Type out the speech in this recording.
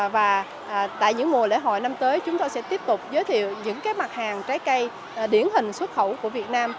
và tại những mùa lễ hội năm tới chúng tôi sẽ tiếp tục giới thiệu những mặt hàng trái cây điển hình xuất khẩu của việt nam